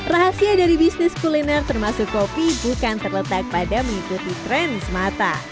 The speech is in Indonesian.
rahasia dari bisnis kuliner termasuk kopi bukan terletak pada mengikuti tren semata